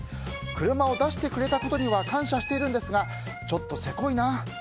車を出してくれたことには感謝しているんですがちょっとせこいなと